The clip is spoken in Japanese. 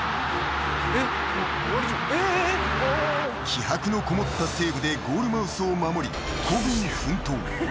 ［気迫のこもったセーブでゴールマウスを守り］